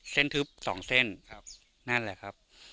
สองเส้นนั่นแหละครับ